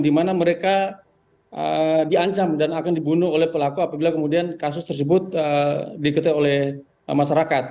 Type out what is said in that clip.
di mana mereka diancam dan akan dibunuh oleh pelaku apabila kemudian kasus tersebut diikuti oleh masyarakat